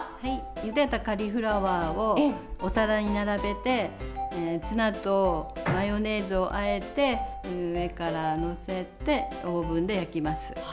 ゆでたカリフラワーをお皿に並べてツナとマヨネーズをあえて上から載せてオーブンで焼きます。